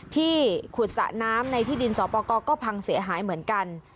ที่ขุดสระน้ำในที่ดินสอปกรก็พังเสียหายเหมือนกัน